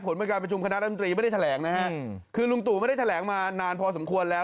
ผลเป็นการประชุมคณะรัฐมนตรีไม่ได้แถลงนะฮะคือลุงตู่ไม่ได้แถลงมานานพอสมควรแล้ว